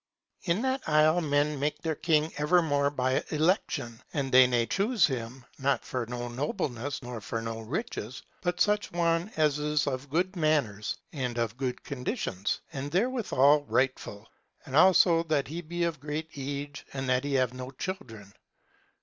In that isle men make their king evermore by election, and they ne choose him not for no noblesse nor for no riches, but such one as is of good manners and of good conditions, and therewithal rightfull, and also that he be of great age, and that he have no children.